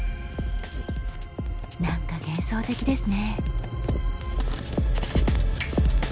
何か幻想的ですね。